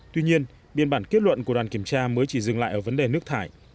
tuy nhiên biên bản kết luận của đoàn kiểm tra mới chỉ dừng lại ở vấn đề nước thải